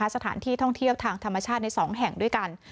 สถานที่ท่องเที่ยวทางธรรมชาติใน๒แห่งด้วยกัน